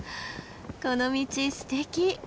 この道すてき！